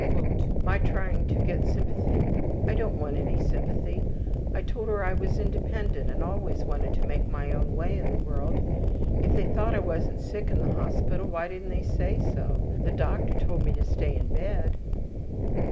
``My trying to get sympathy! I don't want any sympathy. I told her I was independent and always wanted to make my own way in the world. If they thought I wasn't sick in the hospital why didn't they say so. The doctor told me to stay in bed.